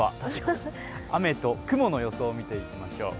雨と雲の予想を見ていきましょう。